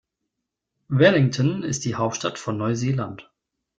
Wellington ist die Hauptstadt von Neuseeland.